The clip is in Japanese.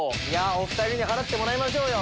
お２人に払ってもらいましょうよ。